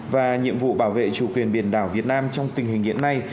và nhiệm vụ bảo vệ chủ quyền biển đảo việt nam trong tình hình hiện nay